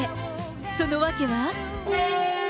その訳は。